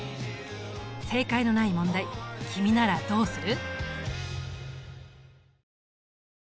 正解のない問題君ならどうする？